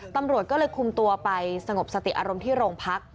ตำรวจก็เลยคุมตัวไปสงบสติอารมณ์ที่โรงพัก